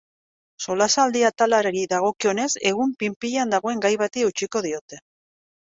Solasaldi atalari dagokionez, egun pil-pilean dagoen gai bati eutsiko diote.